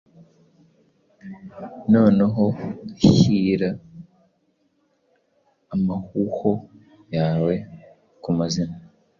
noneho hyira amahuho yawe kumazina